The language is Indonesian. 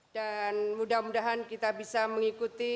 mudah mudahan kita bisa mengikuti